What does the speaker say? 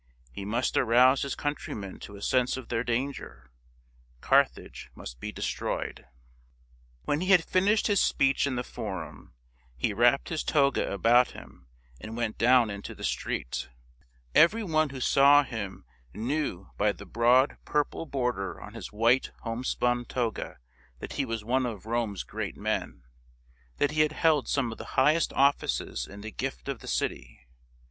He must arouse his countrymen to a sense of their dan ger. Carthage must be destroyed. When he had finished his speech in the Forum, he wrapped his toga about him and went down into the street. Every one who saw him knew by the broad purple border on his white homespun toga that he was one of Rome's great men — that he had held some of the highest offices in the gift of the city.